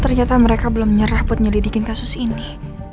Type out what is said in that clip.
ternyata mereka belum nyerah buat nyelidikin kasus ini